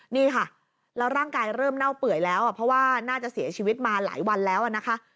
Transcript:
นี่ค่ะแล้วร่างกายเริ่มเน่าเปื่อยแล้วเพราะว่าน่าจะเสียชีวิตมาหลายวันแล้วนะคะ